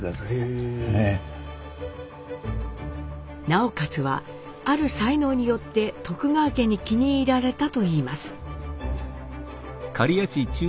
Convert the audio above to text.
直勝はある才能によって徳川家に気に入られたといいます。